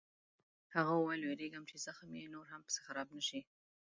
هغه وویل: وېرېږم چې زخم یې نور هم پسې خراب نه شي.